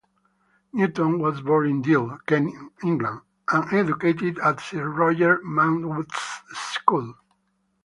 Newton was born in Deal, Kent, England and educated at Sir Roger Manwood's School.